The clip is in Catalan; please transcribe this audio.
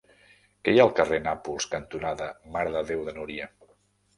Què hi ha al carrer Nàpols cantonada Mare de Déu de Núria?